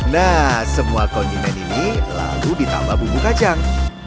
nah semua kondimen ini lalu ditambah bumbu kacang